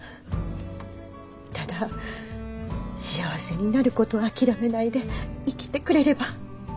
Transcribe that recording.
ただ幸せになることを諦めないで生きてくれれば。